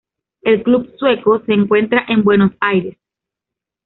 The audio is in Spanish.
El Club Sueco se encuentra en Buenos Aires.